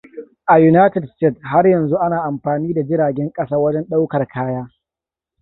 A Unites States, har yanzu ana amfani da jiragen ƙasa wajen ɗaukar kaya.